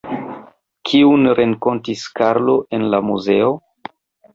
Kiun renkontis Karlo en la muzeo?